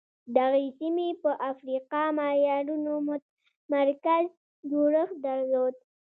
دغې سیمې پر افریقایي معیارونو متمرکز جوړښت درلود.